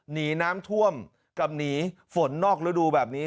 หนีน้ำท่วมกับหนีฝนนอกระดูกแบบนี้